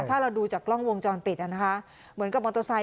ถ้าเราดูจากกล้องวงจรปิดนะคะเหมือนกับมอเตอร์ไซค